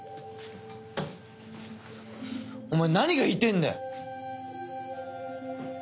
お前何が言いてぇんだよ。